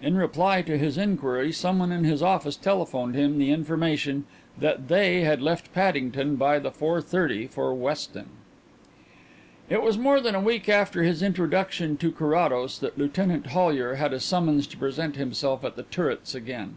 In reply to his inquiry someone in his office telephoned him the information that "they" had left Paddington by the four thirty for Weston. It was more than a week after his introduction to Carrados that Lieutenant Hollyer had a summons to present himself at The Turrets again.